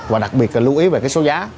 và đặc biệt là lưu ý về cái số giá